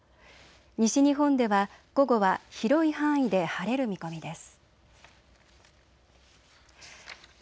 西日本では午後は広い範囲で晴れる見込みです。